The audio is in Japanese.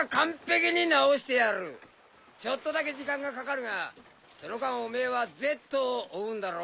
ちょっとだけ時間がかかるがその間お前はＺを追うんだろ？